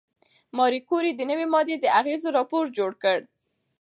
ماري کوري د نوې ماده د اغېزو راپور جوړ کړ.